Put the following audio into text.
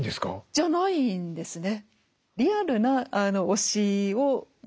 じゃないんですね。